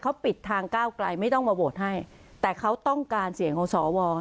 เขาปิดทางก้าวไกลไม่ต้องมาโหวตให้แต่เขาต้องการเสียงของสว